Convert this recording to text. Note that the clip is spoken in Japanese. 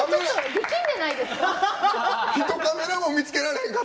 力んでないですか？